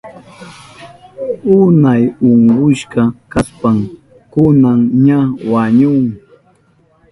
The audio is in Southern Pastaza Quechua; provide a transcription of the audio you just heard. Unay unkushka kashpan kunan ña wañuhun